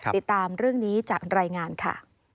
ติดตามเรื่องนี้จากรายงานค่ะ